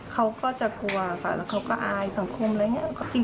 เขาก็จะกลัวค่ะแล้วเขาก็อายสังคมอะไรอย่างนี้